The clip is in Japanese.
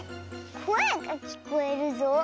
こえがきこえるぞ。